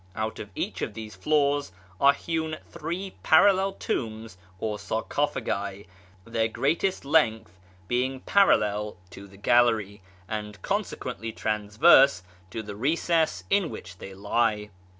Out of each of these floors are hewn three parallel tombs or sarcophagi, their greatest length being parallel to the gallery, and consequently transverse to the recess in which they lie.